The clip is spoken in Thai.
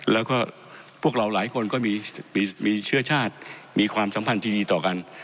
แล้วก็พวกเราหลายคนก็มีเชื้อชาติมีความสัมพันธ์ที่ดีต่อกัน